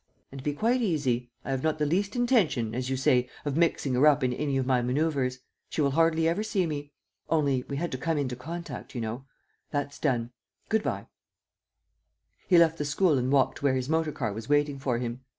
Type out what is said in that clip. And be quite easy. I have not the least intention, as you say, of mixing her up in any of my manœuvers. She will hardly ever see me. ... Only, we had to come into contact, you know. ... That's done. ... Good bye." He left the school and walked to where his motor car was waiting for him.